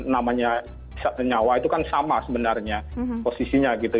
namanya nyawa itu kan sama sebenarnya posisinya gitu